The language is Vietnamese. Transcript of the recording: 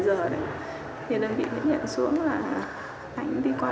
thì đơn vị mới nhận xuống là anh đi qua đập trạng rồi bị lũ quấn